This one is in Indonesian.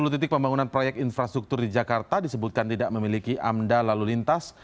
sepuluh titik pembangunan proyek infrastruktur di jakarta disebutkan tidak memiliki amda lalu lintas